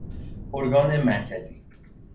ارگان مرکزی